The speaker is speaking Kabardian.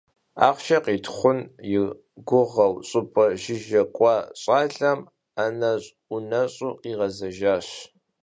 Ахъшэ къитхъун и гугъэу щӀыпӀэ жыжьэ кӀуа щӀалэм ӀэнэщӀ-ӀунэщӀу къигъэзэжащ.